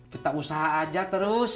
kita usaha aja terus